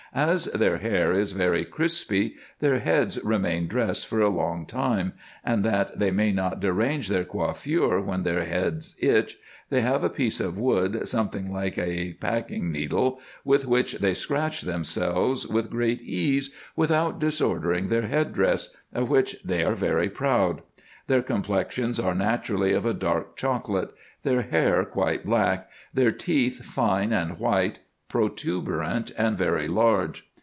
As their hair is very crispy, their heads remain dressed for a long time ; and that they may not derange their coiffure when their heads itch, they have a piece of wood something like a packing needle, with which they scratch themselves with great ease without disordering their head dress, of winch they are very proud. Their complexions are naturally of a dark chocolate ; their hair quite black ; their teeth fine and white, protuberant, and very large.